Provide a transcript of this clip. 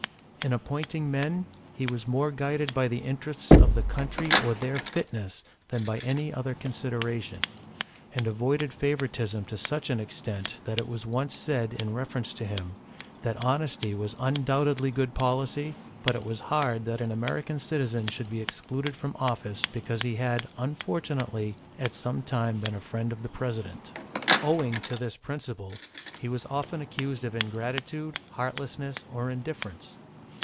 In appointing men, he was more guided by the interests of the country or their fitness than by any other consideration, and avoided favouritism to such an extent that it was once said, in reference to him, that honesty was undoubtedly good policy, but it was hard that an American citizen should be excluded from office because he had, unfortunately, at some time been a friend of the President. Owing to this principle, he was often accused of ingratitude, heartlessness, or indifference.